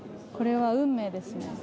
これは運命ですね。